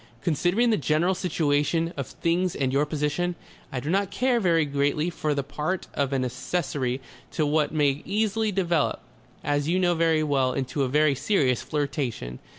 "Considering the general situation of things and your position, I do not care very greatly for the part of an accessory to what may easily develop, as you know very well, into a very serious flirtation.